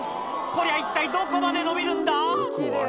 こりゃ、一体どこまで伸びるんだ？